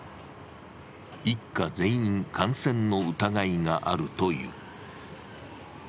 一家全員感染の疑いがあるという。